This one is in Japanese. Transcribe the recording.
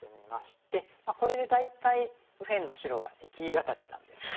これで大体右辺の白は生き形なんですよね。